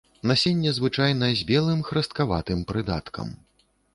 Насенне звычайна з белым храсткаватым прыдаткам.